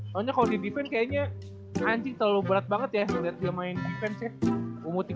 soalnya kalo di defense kayaknya anjing terlalu berat banget ya liat dia main defense ya umur tiga puluh tiga tahun itu kan